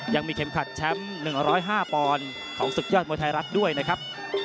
ยังมีเข็มขัดแชมป์๑๐๕ปอนด์ของศึกยอดมวยไทยรัฐด้วยนะครับ